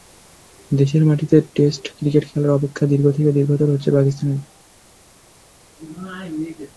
দেশের মাটিতে test cricket খেলার অপেক্ষা দীর্ঘ থেকে দীর্ঘতর হচ্ছে পাকিস্তানের।